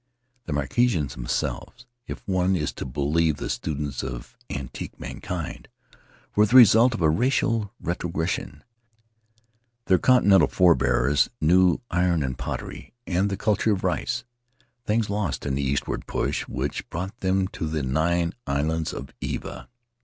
The Marquesans themselves — if one is to believe the students of antique mankind — were the result of a racial retrogression; their continental fore bears knew iron and pottery and the culture of rice —■ things lost in the eastward push which brought them to the Nine Islands of Iva.